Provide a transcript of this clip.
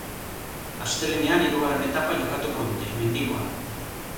Astelehenean hirugarren etapa jokatuko dute, mendikoa.